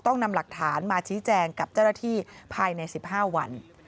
ต้องนำหลักฐานมาชี้แจงกับเจ้าหน้าที่ภายใน๑๕วัน